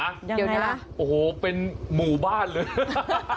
ยังไงล่ะเหยียบเป็นหมู่บ้านเลย